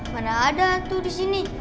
mana ada tuh di sini